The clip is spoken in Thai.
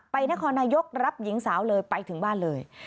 นครนายกรับหญิงสาวเลยไปถึงบ้านเลย